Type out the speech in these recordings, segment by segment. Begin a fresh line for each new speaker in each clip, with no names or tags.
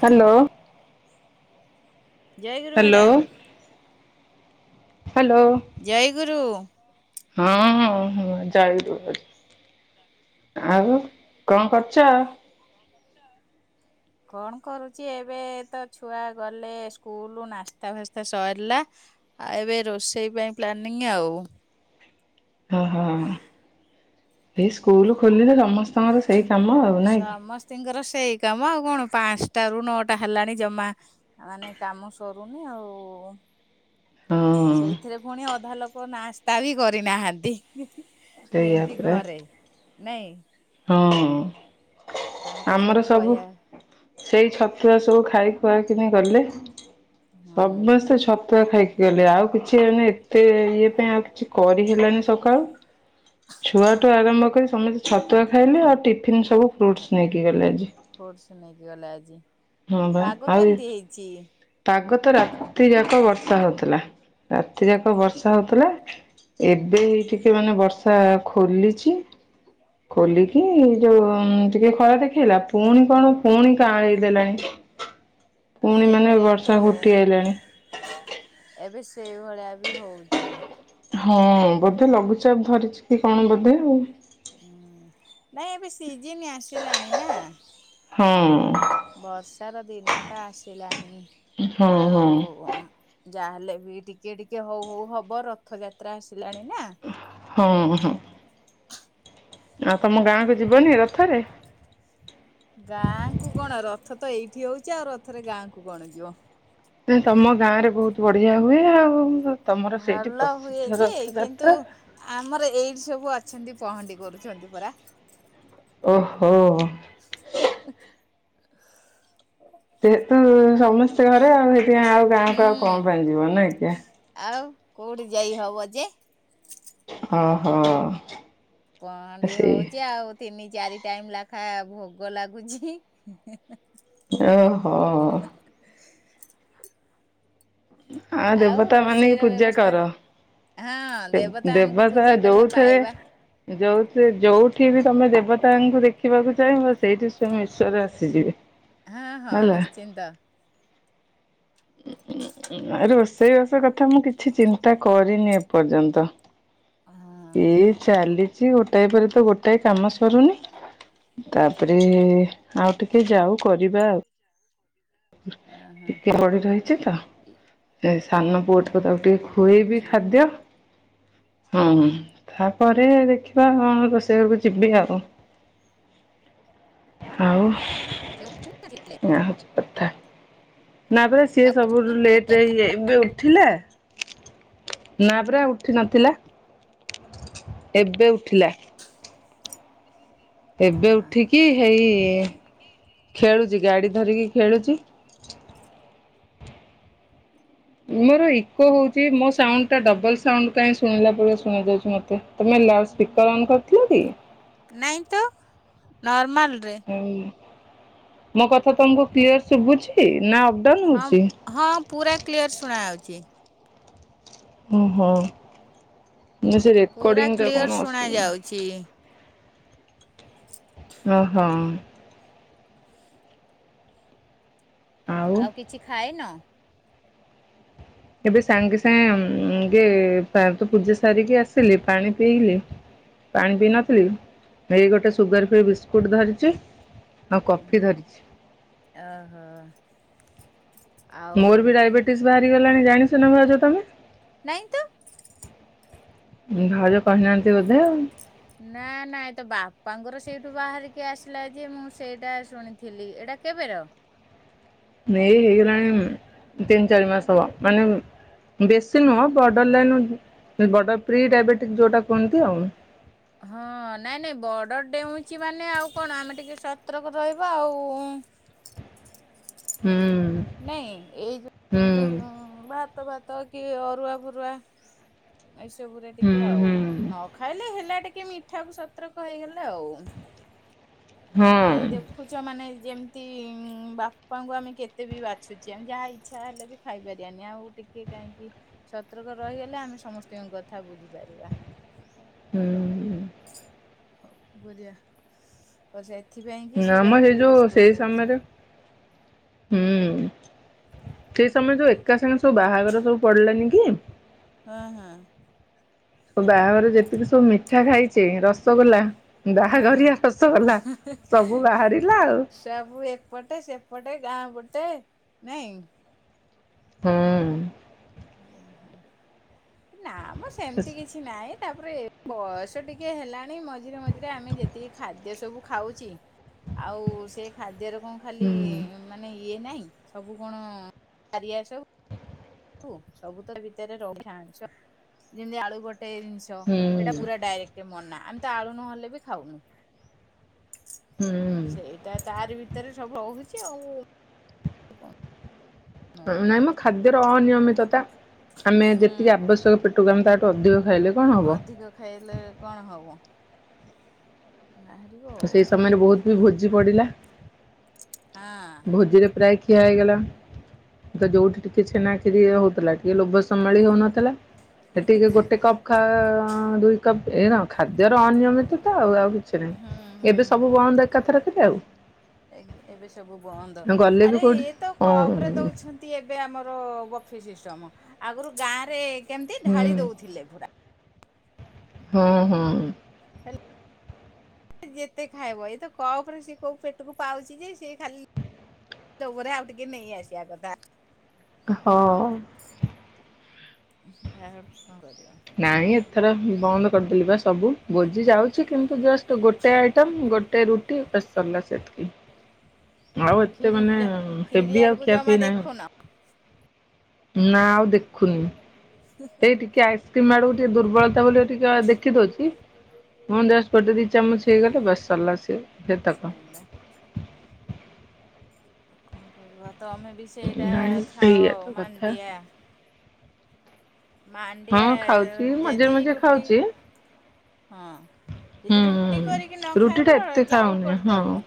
Hello.
ଜୟ ଗୁରୁ madam.
Hello
ଜୟ ଗୁରୁ।
ହଁ ହଉ ହଉ [inaudible] ଆଉ କଣ କରୁଛ।
କଣ କରୁଛି ଏବେ ତ ଛୁଆ ଗଲେ ସ୍କୁଲ ନାସ୍ତା ଫାସ୍ତା ସରିଲା। ଆଉ ଏବେ ରୋଷେଇ ପାଇଁ ପ୍ଲାନିଂ ଆଉ।
ହ ହଁ ଏଇ ସ୍କୁଲ ଖୋଲିଲେ ସମସ୍ତଙ୍କର ସେଇ କାମ ଆଉ ନାଇଁ କି?
ସମସ୍ତିଙ୍କର ସେଇ କାମ ଆଉ କଣ। ପାଞ୍ଚଟାରୁ ନଅଟା ହେଲାଣି ଜମା ମାନେ କାମ ସରୁନି ଆଉ।
ହଁ
ସେଇଥିରେ ପୁଣି ଅଧା ଲୋକ ନାସ୍ତା ବି କରିନାହାନ୍ତି।
ସେଇୟା
ଯେମିତି
ପରା।
ଘରେ ନାଇଁ।
ହଁ ହଉ।
ତାଙ୍କୁ
ଆମର ସବୁ
କହିବା
ସେଇ ଛତୁଆ ସବୁ ଖାଇ ଖୁଆ କି ଗଲେ
ହୁଁ।
ସମସ୍ତେ ଛତୁଆ ଖାଇକି ଗଲେ ଆଉ କିଛି ଏତେ ଇଏ ପାଇଁ ଆଉ କିଛି କରି ହେଲନି ସକାଳୁ। ଛୁଆଠୁ ଆରମ୍ଭ କରି ସମସ୍ତେ ଛତୁଆ ଖାଇଲେ ଆଉ ଟିଫିନ୍ ସବୁ ଫ୍ରୁଟସ୍ ନେଇକି ଗଲେ ଆଜି।
ଫ୍ରୁଟସ ନେଇକି ଗଲା ଆଜି।
ହଁ ବା
ପାଗ
ଆଉ
କେମିତି ହେଇଛି
ପାଗ ତ ରାତି ଯାକ ବର୍ଷା ହଉଥିଲା ରାତି ଯାକ ବର୍ଷା ହଉଥିଲା। ଏବେ ହେଇ ଟିକେ ମାନେ ବର୍ଷା ଖୋଲିଛି। ଖୋଲିକି ଯୋଉ ଟିକେ ଖରା ଦେଖେଇଲା ପୁଣି କଣ ପୁଣି କାଁଳେଇ ଦେଲାଣି। ପୁଣି ମାନେ
ସେଇଭଳିଆ ତ
ବର୍ଷା
ଆଉ।
ଘୋଟି ଆାଇଲାଣି।
ସେଇ ଭଳିଆ ବି ହଉଛି।
ହଁ ବୋଧେ ଲଘୁଚାପ ଧରିଛି କି କଣ ବୋଧେ ଆଉ।
ହୁଁ ନାଇଁ ଏବେ ସିଜିନ୍ ଆସିଲାଣି ନା।
ହଁ।
ତାର ଦିନଟା ଆସିଲାଣି
ହଁ
ଆଉ। ଯାହାହେଲେ ବି ଟିକେ ଟିକେ ହଉ ହଉ ହବ ରଥଯାତ୍ରା ଆସିଲାଣି। ନା
ହଁ, ହଁ। ଆଉ ତୋମ ଗାଁକୁ ଯିବନି ରଥରେ?
ଗାଁକୁ କଣ ରଥ ତ ଏଇଠି ହଉଚି ଆଉ। ରଥରେ ଗାଁକୁ କଣ ଯିବ।
ନା ତତମ ଗାଁ ରେ ବହୁତ ବଢ଼ିଆ ହୁଏ ଆଉ। ତମର ସେଇଠି
ଭଲ ହୁଏ
ପ୍ରସିଦ୍ଧ
ଯେ କିନ୍ତୁ
ରଥଯାତ୍ରା।
ଆମର ଏଇଠି ସବୁ ଅଛନ୍ତି। ପହଣ୍ଡି କରୁଛନ୍ତି ପରା।
ଓହୋ! ଯେହେତୁ ସମସ୍ତେ ଘରେ ଆଉ ସେଠି ଆଉ
ହୁଁ।
ଗାଁକୁ ଆଉ କଣ ପାଇଁ ଯିବ ନାଇଁକି?
ଆଉ କୋଉଠି ଯାଇ ହବ ଯେ।
ଓ ହୋ।
ପହଣ୍ଡି ହଉଚି ଆଉ ତିନି ଚାରି ଟାଇମ୍ ଲାଖା ଭୋଗ ଲାଗୁଛି।
ଓହୋ! ଆ,
ଆଉ
ଦେବତା ମାନେ
ରୋଷେଇର
ପୂଜା
ବ୍ୟବସ୍ଥା
କର।
ହଁ
ଦେବ
ଦେବତାମାନଙ୍କୁ
ଦେବତା
ପୂଜା କଲେ
ଯୋଉଠରେ
ପାଇବା।
ଯୋଉଠି ଯୋଉଠି ବି ତୋମେ ଦେବ ତାଙ୍କୁ ଦେଖିବାକୁ ଚାହିଁବ ସେଇଠି ସୟମ ଇଶ୍ଵର ଆସିଯିବେ।
ହଁ ହଁ ନିଶ୍ଚିନ୍ତ।
ଆ, ରୋଷେଇବାସ କଥା ମୁଁ କିଛି ଚିନ୍ତା କରିନି ଏ ପର୍ଯ୍ୟନ୍ତ
ହଁ
ଏଇ ଚାଲି ଚି ଗୋଟାଏ ପରେ ତ ଗୋଟାଏ କାମ ସରୁନି। ତାପରେ ଆଉ ଟିକେ ଯାଉ କରିବା।
ହଁ।
ଟିକେ [inaudible] ରହିଛି ତ
ଇ-
ଏ ସାନ ପୁଅଟା ତ ତାକୁ ଟିକେ
ପଡି
ଖୁଏଇବି
ରହିଛି।
ଖାଦ୍ୟ। ହଁ, ହଁ ତାପରେ ଦେଖିବା କଣ ରୋଷେଇ ଘରକୁ ଯିବି ଆଉ।
ଁ
ଆଉ ଏୟା ହଉଛି
[inaudible]
କଥା। ନା ପରା ସିଏ ସବୁଠୁ ଲେଟ୍ ରେ ଇଏ ଏବେ ଉଠିଲା। ନା ପରା ଉଠି ନଥିଲା। ଏବେ ଉଠିଲା। ଏବେ
ହଁ।
ଉଠିକି ହେଇ ଏ ଖେଳୁଚି ଗାଡି ଧରିକି ଖେଳୁଚି। ମୋର ଇକୋ ହଉଚି। ମୋ ସାଉଣ୍ଡ ଟା ଡବଲ୍ ସାଉଣ୍ଡ କାଇଁ ଶୁଣିଲା ଭଳିଆ ଶୁଣା ଯାଉଛି ମୋତେ। ତୋମେ ଲାଉଡ୍ ସ୍ପିକର୍ ଅନ୍ କରିଥିଲ କି?
ନାଇଁ ତ ନର୍ମାଲ୍।
ଏଇ ମୋ କଥା ତୋମକୁ କ୍ଲିୟର୍ ଶୁଭୁଛି ନା
ହଁ,
ହଉଛି?
ହଁ ପୁରା କ୍ଲିୟର ଶୁଣା ଯାଉଛି।
ଓ ହୋ ନା ସେ
ପୁରା
ରେକର୍ଡିଙ୍ଗ ଟା
କ୍ଲିୟର
କଣ
ଶୁଣା
ଅସୁବିଧା।
ଯାଉଛି।
ଓହୋ!
ଆଉ କିଛି ଖାଇନ?
ଏବେ ସାଙ୍ଗେ ସାଙ୍ଗେ ଉଁ, ଗେ-ପା-ତ ପୂଜା ସାରିକି ଆସିଲି ପାଣି ପିଇଲି। ପାଣି ପିଇ ନଥିଲି। ଏଇ ଗୋଟେ ସୁଗାର ଫ୍ରି ବିସ୍କୁଟ୍ ଧରିଚି।
ହୁଁ, ଓହୋ। ଆଉ
ମୋର ବି ଡାଇବେଟିସ୍ ବାହାରିଗଲାଣି ଜାଣିସନା ଭାଉଜ ତୋମେ?
ନାଇଁ ତ।
ଭାଉଜ କହିନାହାନ୍ତି ବୋଧେ ଆଉ।
ନା ନା ଏ ତ ବାପାଙ୍କର ସେଇଠୁ ବାହାରିକି ଆସିଲା ଯେ ମୁଁ ସେଇଟା ଶୁଣିଥିଲି। ଏଟ ଟା କେବେର?
ଏଇ ହେଇଗଲାଣି ତିନି ଚାରି ମାସ ହବ। ମାନେ ଉଁ, ବେଶୀ ନୁହଁ। Border line border pre diabetic ଯୋଉଟା କୁହନ୍ତି ଆଉ।
ହଁ ନାଇଁ ନାଇଁ ବର୍ଡର ଡେଉଁଚି ମାନେ ଆଉ କଣ ଆମେ ଟିକେ ସତ୍ରକ ରହିବା ଆଉ।
ହୁଁ।
ନାଇଁ ଏଇ ଯୋଉ ଏମତି
ହୁଁ।
ଭା ତ ଭାତ କି ଅରୁଆ ଫରୁଆ ଏଇସବୁରେ ଟିକିଏ
ହୁଁ
ଆଉ
ହୁଁ
ନ ଖାଇଲେ ହେଲା ଟି କେ ମିଠା କୁ ସତର୍କ ହେଇଗଲା ଆଉ
ହଁ
କାହିଁ ଦେଖୁଚ ମାନେ ଯେମିତି ବାପାଙ୍କୁ ଆମେ କେ ଏତେ ବି ବାଛୁଚେ ଆମେ ଯାହା ଇଛା ହେଲେ ବି ଖାଇପାରିବାନି ଆଉ ଟିକେ କାହିଁକି ସତର୍କ ରହିଗଲେ ଆମେ ସମସ୍ତିଙ୍କ କଥା ବୁଝିପାରିବା।
ହୁଁ।
[unintelligible] ଏଥିପାଇଁ କି
ନା ମ
ସୁଗାର
ସେଇ
ଫି
ଯୋଉ
ବିସ୍କୁଟ୍
ସେଇ
ଧରଚୁ।
ସମୟରେ ହୁଁ ସେଇ ସମୟ ରେ ଯୋଉ ଏକା ସାଙ୍ଗେ ସବୁ ବାହାଘର ସବୁ ପଡିଲାନି କି
ହଁ ହଁ।
ସବୁ ବାହାଘର ର ଯେତିକି ସବୁ ମିଠା ଖାଇଚେ ର ସଗୋଲା ବାହାଘରିଆ
ହଁ
ରସୋଗୋଲା ସବୁ ବାହାରିଲା ଆଉ।
ସବୁ ଏପଟେ ସେପଟେ ଗାଁ ପଟେ ନାଇଁ।
ହୁଁ।
ନା ମ ସେମିତି କିଛି ନାଇଁ। ତାପରେ ବୟସ ଟିକେ ହେଲାଣି ମଝିରେ ମଝିରେ ଆମେ ଯେତିକି ଖାଦ୍ୟ ସବୁ ଖାଉଚେ। ଆଉ ସେଇ ଖାଦ୍ୟରେ କଣ ଖାଲି
ହୁଁ
ମାନେ ଇଏ ନାହିଁ ସବୁ କଣ ପାରିଆ ସବୁ। ଉ ସବୁ ତ ତା ଭିତରେ [unintelligible] ଯେମିତି ଆଳୁ ଗୋ ଗୋଟାଏ ଜିନିଷ ସେଟା
ହୁଁ
ପୁରା ଡାଇରେକ୍ଟ ମନା ଆମେ ତ ଆଳୁ ନହେଲେ ବି ଖାଉନୁ।
ହୁଁ
ସେଇଟା ତାରି ଭିତରେ ସବୁ ରହୁଚି ଆଉ କଣ? ହୁଁ।
ନାଇଁ ମ ଖାଦ୍ୟର ଅନିୟମିତତା ଆମେ ଯେତିକି ଆବଶ୍ୟକ ପେଟୁକୁ ଆମେ ତାଠୁ ଅଧିକ ଖାଇଲେ କଣ ହବ
ଅଧିକ ଖାଇଲେ କଣ ହବ? ବାହାରିବ ଆଉ
ସେଇ
ହଁ।
ସମୟରେ ବହୁତ ବି ଭୋଜି ପଡିଲା। ଭୋଜିରେ ପ୍ରାୟ ଖୀ ଠିଆ ହେଇଗଲା ତ ଯୋଉଠି ଟିକେ ଛେନା ଖିରି ହଉଥିଲା ଟିକେ ଲୋଭ ସମ୍ଭାଳି ହଉନଥିଲା। ହେଟିକେ ଗୋଟେ କପ୍ ଖା ଦୁଇ କପ୍ ଏ ନ ଖାଦ୍ୟର ଅନିୟମିତତା ଆଉ ଆଉ କି
ହୁଁ ହୁଁ
[unintelligible] ଏବେ ସବୁ ବନ୍ଦ ଏକାଥର କରେ ଆଉ।
ଏବେ ସବୁ ବନ୍ଦ
ଗଲେ ବି
ଆରେ
କୋଉଠି
ଇଏ ତ
ହଁ
କପ ରେ ଦଉଛନ୍ତି ଏବେ ଆମର ବ ଫି ସିଷ୍ଟମ ଆଗୁରୁ ଗାଁ ରେ କେମିତି
ହୁଁ
ଢାଳି ଦଉଥିଲେ ପୁରା।
ହଁ ହଁ।
ହେଲ୍ ଯେତେ ଖାଇବ ଏଇତ କପ୍ ରେ ସିଏ କୋଉ ପେଟୁକୁ ପାଉଛି ଯେ ସିଏ ଖାଲି ତା ଉପରେ ଆଉ ଟିକେ ନେଇ ଆସିବା କଥା।
ହଁ।
ଆହୁରି କଣ କରିବା।
ନାଇଁ ଏଥର ବନ୍ଦ କରିଦେଲି ବା ସବୁ ଭୋଜି ଯାଉଚି କିନ୍ତୁ ଜଷ୍ଟ ଗୋଟେ ଆଇଟମ ଗୋଟେ ରୁଟି ବାସ୍ ସରିଲା ସେତିକି। ଆଉ ଏତେ
ଖିରି
ମାନେ
ଖିରି
ହେବି ଆଉ
ଆଡକୁ ଜମା
ଖିଆଖୁଇ ନାହିଁ।
ଦେଖୁନ
ନା ଆଉ ଦେଖୁନି ସେଇ ଟିକେ ଆଇସ୍କ୍ରିମ ଆଡକୁ ଟିକେ ଦୁର୍ବଳତା ବୋଲି ଟିକେ ଦେଖି ଦଉଚି [unintelligible] ଜଷ୍ଟ ଗୋଟେ ଦି ଚାମଚ ହେଇଗଲେ ବାସ୍ ସାରିଲା ସିଏ। ସେତକ।
[unintelligible] କଣ କରିବ ତମେ ବି ସେଇଟା
ନାଇଁ
ଖାଅ
ଏଇଆ ତ କଥା।
ମାଣ୍ଡିଆ।
ହଁ
ମାଣ୍ଡଆ
ଖାଉଛି ମଝିରେ
ଜଦି
ମଝିରେ
ରୁଟି
ଖାଉଛି
ହଁ
ହୁଁ।
ଯଦି ରୁଟି କରିକି ନ
ରୁଟି ଟା
ଖାଇବ
ଏତେ
ଯାଉ
ଖାଉନି ହଁ
କରିଦବ।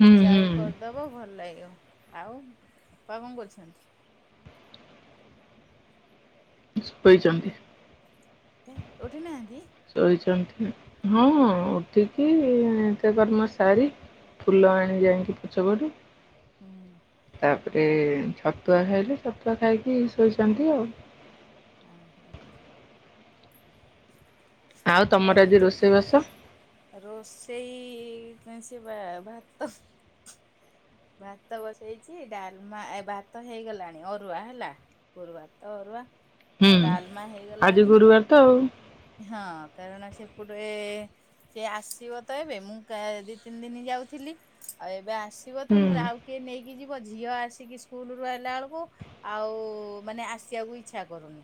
ହୁଁ ହୁଁ
ଯାଉ କରିଦବ ଭଲ ଲାଗିବ ଆଉ ଅପା କଣ କରୁଛନ୍ତି?
ଶୋଇଛନ୍ତି।
ଧେତ୍ ଉଠିନାହାନ୍ତି।
ଶୋଇଛନ୍ତି। ହଁ ଉଠିକି ନିତ୍ୟକର୍ମ ସାରି ଫୁଲ ଆଣିକି
ହୁଁ
ଯାଇକି ପଛ ପଟୁ
ହୁଁ।
ତା ତାପରେ ଛତୁଆ ଖାଇଲେ ଛତୁଆ ଖାଇକି ଶୋଇଛନ୍ତି ଆଉ। ଆଉ ତମର
ଏବେ
ଆଜି
ତ
ରୋଷେଇବାସ
ରୋଷେଇ ସେଇପଇଁ ସେ ବା ଭାତ ଭାତ ବସେଇଛି ଡାଲମା-ଏ ଭାତ ହେଇଗଲାଣି ଅରୁଆ ହେଲା ଗରୁ ଭାତ ଅରୁଆ।
ହୁଁ
ଆଉ ଡାଲମା
ଆଜି
ହେଇଗଲାଣି
ଗୁରୁବାର ତ ଆଉ।
ହଁ କାରଣ ସେପଟେ ସେ ଆସିବ ତ ଏବେ ମୁଁ ଦି ତିନି ଦିନ ଯାଉଥିଲି। ଆଉ ଏବେ ଆସିବ ତ
ହୁଁ
ମୁଁ କଇଲି ଆଉ କିଏ ନେଇକି ଯିବ ଝିଅ ଆସିକି ସ୍କୁଲ ରୁ ଆଲା ବେଳକୁ ଆଉ- ମାନେ ଆସିବାକୁ ଇଚଛା କରୁନି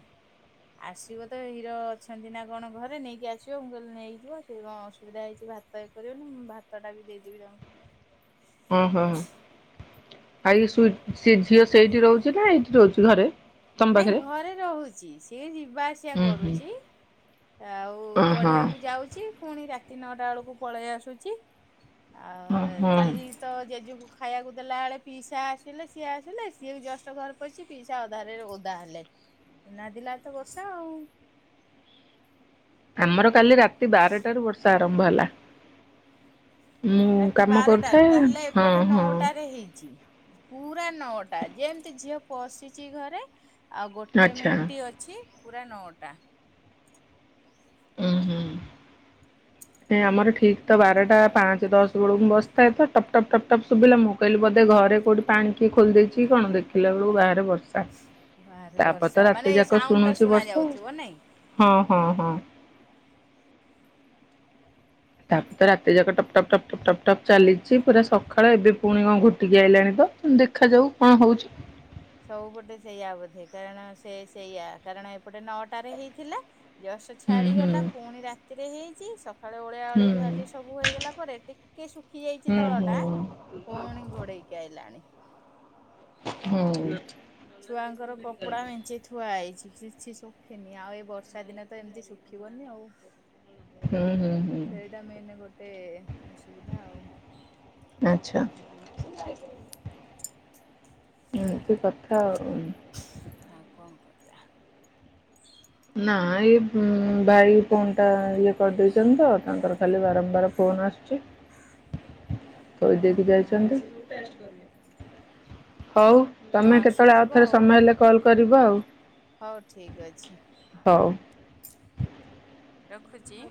ଆସିବ ତ ହିରୋ ଅଛି। ଛନ୍ତି ନା କଣ ଘରେ ନେଇକି ଆସିବ ମୁଁ କହିଲି ନେଇକଯିବ ସେ କଣ ଅସୁବିଧା ହେଇଛି ଭାତ କରିବନି ଭାତଟା ବି [unintelligible]
ହଁ ହୋ ହ ଆ ଶୁ ସେ ଝିଅ ସେଇଠି ରହୁଛି ନା ଏଇଠି ରହୁଛି ଘରେ? ତମ
ନାଇଁ
ପାଖରେ
ଘରେ ରହୁଛି ସିଏ ଯିବା ଆସିବା
ଉଁ ହୁଁ
କରୁଛି। ଆଉ
ଓହୋ
ପଢିବାକୁ ଯାଉଛି ପୁଣି ରାକ ନଅ ଟା ବେଳକୁ ପଳେଇ ଆସୁଛି ଆଉ
ଓହୋ।
କାଲି ତ ଜେଜୁକୁ ଖାଇବାକୁ ଦେଲା ବେଳେ ପିଇସା ଆସିଲେ ସିଏ ଆସି ସିଏ ବି ଜଷ୍ଟ ଘରେ ପଇଚି ପିଇସା ଅଧାରରେ ଓଦା ହେଲେ। ନାଦିଲା ତ ବର୍ଷା ଆଉ।
ଆମର କାଲି ରାତି ବାରଟାରୁ ବର୍ଷା ଆରମ୍ଭ ହେଲା। ମୁଁ
ରାତି
କାମ
ବାରଟାରୁ
କରୁଥାଏ
ତାହେଲେ
ହଁ
ଏପଟେ
ହଁ
ନଅଟା ରେ ହେଇଛି। ପୁରା ନଅଟା ଯେମିତି ଝିଅ ପସିଛି ଘରେ ଆଉ ଗୋଟେ
ଆଚ୍ଛା
ମିନିଟ୍ ଅଛି ପୁରା ନଅଟା।
ଉ ହୁଁ। ଆମର ଠିକ ତ ବାରଟା ପାଞ୍ଚେ ଦଶ ବେଳକୁ ବସିଥାଏ ତ ଟପ୍ ଟପ ଟପ୍ ଟପ ଶୁଭିଲା ମୁଁ କହିଲି ବୋଧେ ଘରେ କୋଉଠି ପାଣି କିଏ ଖୋଲିଦେଇଛି କଣ ଦେଖିଲା ବେଳକୁ ବାହାରେ ବର୍ଷା।
ଭାରି
ତାପରେ
ବର୍ଷା
ତ
ମାନେ
ରାତି ଯାକ
ସାଉଣ୍ଡ ଟା
ଶୁଣୁଛି
ଶୁଣା
ବର୍ଷା
ଯାଉଥିବ ନାଇଁ।
ହଁ ହଁ ହଁ। ତାକୁ ତ ରାତି ଯାକ ଟପ୍ ଟପ୍ ଟପ୍ ଟପ୍ ଟପ୍ ଟପ୍ ଚାଲିଛି ପୁରା ସଖାଳ ଏବେ ପୁଣି କଣ ଘୋଟିକି ଆଇଲାଣି ତ ଦେଖାଯାଉ କଣ ହଉଛି?
ସବୁପଟେ ସେଇଆବୋଧେ କାରଣ ସେ ସେଇୟା କାରଣ ଏପଟେ ନଅଟା ରେ ହେଇଥିଲା। ଜଷ୍ଟ
ହୁଁ ହୁଁ
ଛାଡିଗଲା ପୁଣି ରାତିରେ ହେଇଛି ସକ୍ ଳେ ଓଳିଆ
ହୁଁ
ଓଳି ଧୁଆଧୁଇ ସବୁ ହେଇଗଲା ପରେ ଟିକେ ଶୁଖି ଯାଇଛି
ହୁଁ
ତଳ
ହୁଁ
ଟା ପୁଣି ଘୋଡେଇକି ଆଇଲାଣି।
ହୁଁ।
ଛୁଆଙ୍କର କପଡା ମେଞ୍ଚେ ଥୁଆ ହେଇଛି। କିଛି ଶୁଖିନି ଆଉ ଏଇ ବର୍ଷା ଦିନ ତ ଏମିତି ଶୁଖିବନି ଆଉ।
ହୁଁ ହୁଁ
ସେଇଟା ମେନ ଗୋଟେ ଅସୁବିଧା ଆଉ।
[inaudible] ଏମିତି କଥା ଆଉ।
ଆଉ କଣ କରିଆ।
ନା ଏଇ ଅମ-ଭାଇ ଫୋନ୍ ଟା ଇଏ କରିଦେଇଛନ୍ତି ଆ ତାଙ୍କର ଖାଲି ବାରମ୍ବାର ଫୋନ ଆସୁଛି ଥୋଇ ଦେଇକି
ଓହୋ
ଯାଇଛନ୍ତି ହଉ
ହଁ
ତମେ କେତେବେଳେ ଆଉ
ଆସୁଥିବ
ଥରେ ସମୟ ହେଲେ କଲ୍ କରିବ
କିଏ
ଆଉ।
ଅଛି?
ହଉ।
ରଖୁଛି।